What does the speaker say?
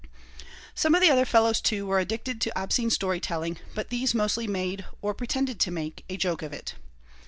Some of the other fellows, too, were addicted to obscene story telling, but these mostly made (or pretended to make) a joke of it.